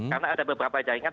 karena ada beberapa jaringan